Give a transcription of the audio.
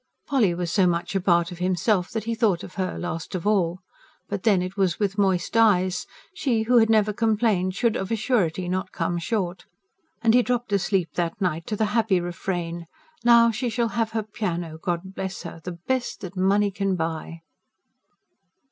Polly was so much a part of himself that he thought of her last of all. But then it was with moist eyes. She, who had never complained, should of a surety not come short! And he dropped asleep that night to the happy refrain: "Now she shall have her piano, God bless her! ... the best that money can buy."